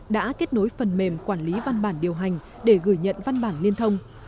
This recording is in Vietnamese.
đã kết nối phần mềm quản lý văn bản điều hành để gửi nhận văn bản liên thông